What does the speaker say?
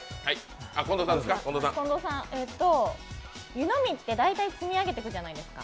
湯飲みって大体積み上げていくじゃないですか。